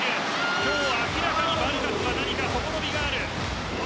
今日は明らかに何かバルガスはほころびがある。